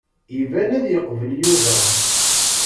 Iban ad yeqbel Yuba.